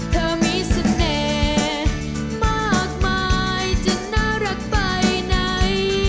เธอมีเสน่ห์มากมายจะน่ารักไปไหน